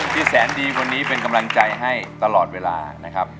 ที่แสนดีคนนี้เป็นกำลังใจให้ตลอดเวลานะครับ